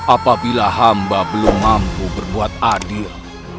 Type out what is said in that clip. apabila hamba belum mampu berbuat adil